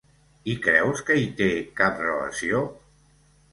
I creus que hi té cap relació?